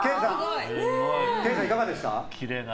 研さん、いかがでした？